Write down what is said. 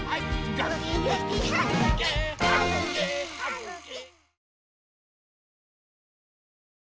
「ぐきぐきはぐきはぐきはぐき」